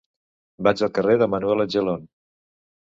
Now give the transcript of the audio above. Vaig al carrer de Manuel Angelon.